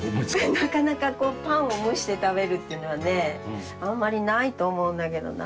なかなかパンを蒸して食べるっていうのはねあんまりないと思うんだけどな。